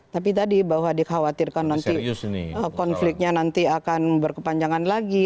tapi tadi bahwa dikhawatirkan nanti konfliknya nanti akan berkepanjangan lagi